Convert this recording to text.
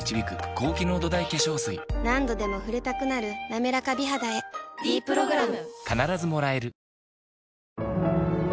何度でも触れたくなる「なめらか美肌」へ「ｄプログラム」